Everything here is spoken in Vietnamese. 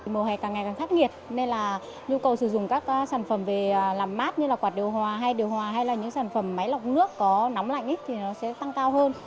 mùa hè càng ngày càng khắc nghiệt nên là nhu cầu sử dụng các sản phẩm về làm mát như là quạt điều hòa hay điều hòa hay là những sản phẩm máy lọc nước có nóng lạnh thì nó sẽ tăng cao hơn